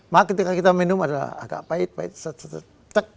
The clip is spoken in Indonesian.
maka ketika kita minum adalah agak pahit pahit setek setek